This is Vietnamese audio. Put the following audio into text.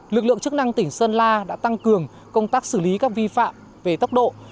lực lượng chức năng tỉnh sơn la đã tăng cường công tác xử lý các vi phạm về tốc độ